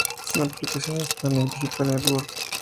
Es una publicación de Hispanic Digital Network.